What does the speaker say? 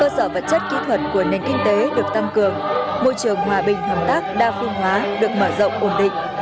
cơ sở vật chất kỹ thuật của nền kinh tế được tăng cường môi trường hòa bình hợp tác đa phương hóa được mở rộng ổn định